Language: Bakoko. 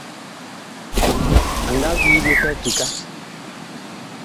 A nga vii ɓe pɛ sika.